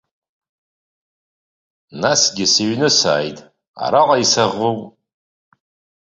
Насгьы сыҩны сааит, араҟа исаӷоу.